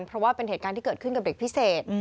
เพราะว่าเป็นเหตุการณ์ที่เกิดขึ้นกับเด็กพิเศษ